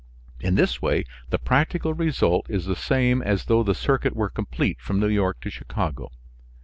In this way the practical result is the same as though the circuit were complete from New York to Chicago.